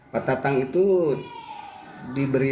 pak tatang itu dibatasi